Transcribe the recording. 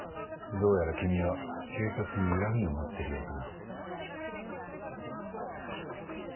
どうやら君は警察に恨みを持ってるようだな。